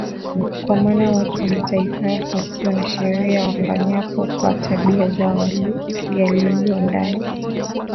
Kwa maana watu wa Mataifa wasio na sheria wafanyapo kwa tabia zao yaliyo ndani